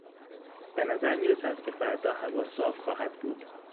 بهنظر میرسد که فردا هوا صاف خواهد بود.